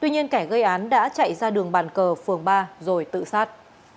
nên kẻ gây án đã chạy ra đường bàn cờ phường ba rồi tự sát